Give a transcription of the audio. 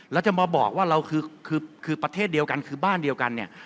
แล้วจะมาบอกว่าเราคือประเทศเดียวกันคือบ้านเดียวกันเนี่ย